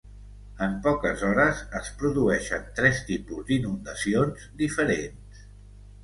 En poques hores, es produeixen tres tipus d'inundacions diferents.